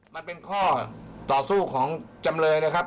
มันเป็นข้อต่อสู้ของจำเลยนะครับ